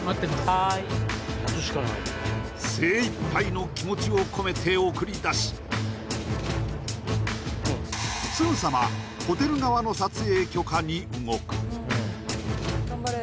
はい精いっぱいの気持ちを込めて送り出しすぐさまホテル側の撮影許可に動く